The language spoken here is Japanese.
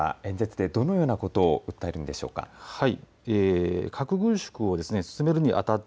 岸田総理大臣は演説でどのようなことを訴えるんでしょうか。